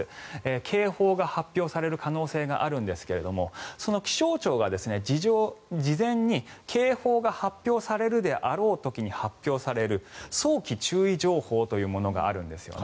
警報が発表される可能性があるんですがその気象庁が事前に警報が発表されるであろう時に発表される早期注意情報というものがあるんですね。